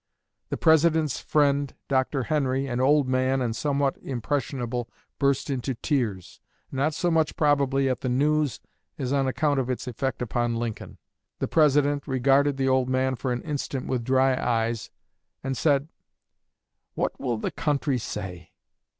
The President's friend, Dr. Henry, an old man and somewhat impressionable, burst into tears, not so much, probably, at the news as on account of its effect upon Lincoln. The President regarded the old man for an instant with dry eyes, and said, '_What will the country say?